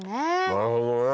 なるほどね。